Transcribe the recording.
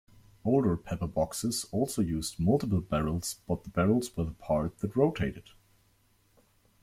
Older "pepperboxes" also used multiple barrels, but the barrels were the part that rotated.